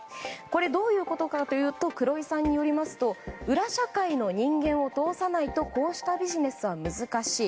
どういうことかというと黒井さんによりますと裏社会の人間を通さないとこうしたビジネスは難しい。